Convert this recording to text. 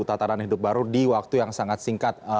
tataran hidup baru di waktu yang sangat singkat